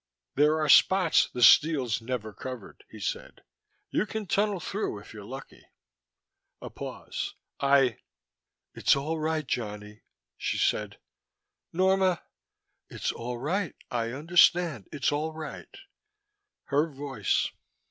"There are spots the steel's never covered," he said. "You can tunnel through if you're lucky." A pause. "I " "It's all right, Johnny," she said. "Norma " "It's all right I understand. It's all right." Her voice.